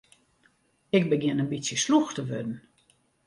Ik begjin in bytsje slûch te wurden.